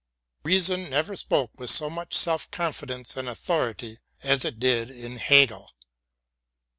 Reason never spoke with so much self confidence and authority as it did in Hegel.